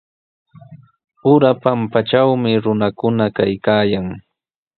Ura pampatrawmi runakuna kaykaayan.